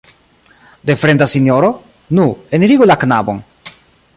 De fremda sinjoro? Nu, enirigu la knabon.